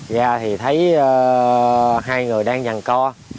ra thì thấy hai người đang nhằn co